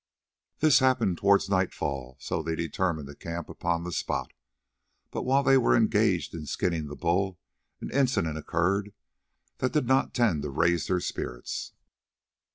This happened towards nightfall, so they determined to camp upon the spot; but while they were engaged in skinning the bull an incident occurred that did not tend to raise their spirits.